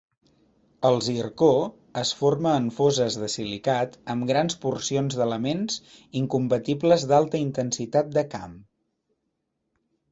El zircó es forma en foses de silicat amb grans porcions d'elements incompatibles d'alta intensitat de camp.